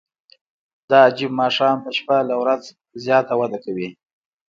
دا عجیب ماشوم په شپه له ورځ زیاته وده کوي.